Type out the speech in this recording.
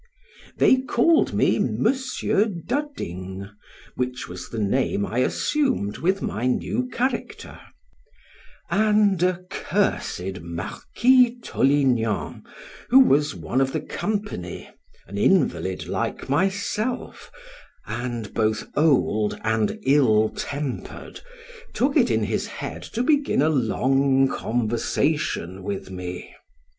They called me Monsieur Dudding, which was the name I assumed with my new character, and a cursed Marquis Torignan, who was one of the company, an invalid like myself, and both old and ill tempered, took it in his head to begin a long conversation with me.